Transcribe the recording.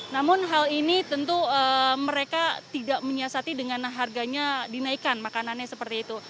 namun hal ini tentu mereka tidak menyiasati dengan harganya dinaikkan makanannya seperti itu